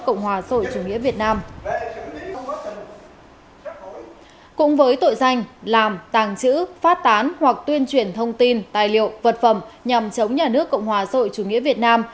cùng với tội danh làm tàng trữ phát tán hoặc tuyên truyền thông tin tài liệu vật phẩm nhằm chống nhà nước cộng hòa rồi chủ nghĩa việt nam